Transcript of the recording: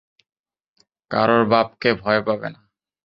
কারোর বাপকে ভয় পাবে না।